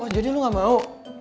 oh jadi lo gak mau